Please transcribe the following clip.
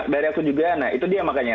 dari aku juga nah itu dia makanya